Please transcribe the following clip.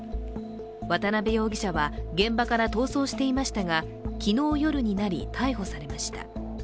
渡邊容疑者は現場から逃走していましたが昨日夜になり逮捕されました。